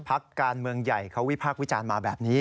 พักการเมืองใหญ่เขาวิพากษ์วิจารณ์มาแบบนี้